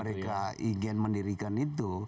mereka ingin mendirikan itu